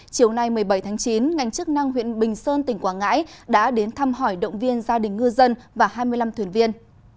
chiều nay một mươi bảy tháng chín ngành chức năng huyện bình sơn tỉnh quảng ngãi đã đến thăm hỏi động viên gia đình ngư dân và hai mươi năm thuyền viên